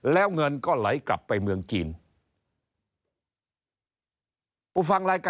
แล้วเงินก็ไหลกลับไปเมืองจีน